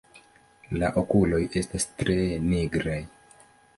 La okuloj estas tre nigraj.